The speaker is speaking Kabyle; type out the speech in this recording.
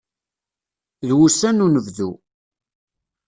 D wussan n unebdu.